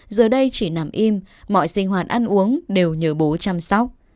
giờ đây chỉ nằm im mọi sinh hoạt ăn uống đều nhờ bố chăm sóc